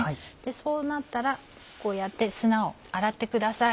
そうなったらこうやって砂を洗ってください。